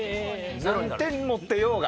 何点持ってようが？